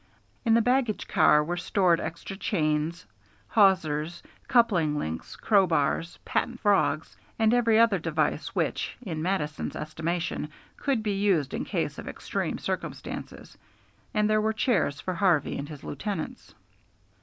In the baggage car were stored extra chains, hawsers, coupling links, crowbars, patent frogs, and every other device which, in Mattison's estimation, could be used in case of extreme circumstances, and there were chairs for Harvey and his lieutenants.